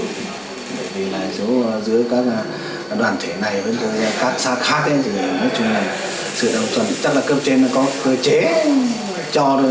vì là giữa các đoàn thể này với các xã khác thì nói chung là sự đồng thuận chắc là cơ chế có cơ chế cho thôi